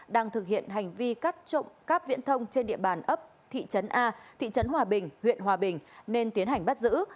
đang thực hiện hành vi cắt trộm cắp viễn thông trên địa bàn ấp thị trấn a thị trấn hòa bình huyện hòa bình nên tiến hành bắt giữ